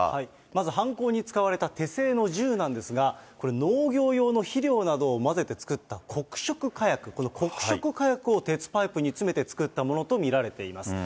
まず犯行に使われた手製の銃なんですが、これ、農業用の肥料などを混ぜて作った黒色火薬、この黒色火薬を鉄パイプに詰めて作ったものと見られています。